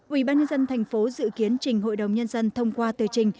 ủy ban nhân dân thành phố dự kiến trình hội đồng nhân dân thông qua tờ trình